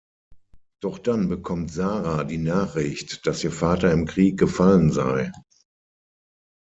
Doch dann bekommt Sara die Nachricht, dass ihr Vater im Krieg gefallen sei.